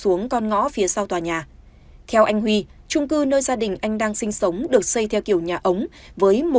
ông ngô phó điền kể lại